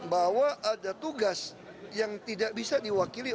bahwa ada tugas yang tidak bisa diwakili